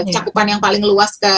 cakupan yang paling luas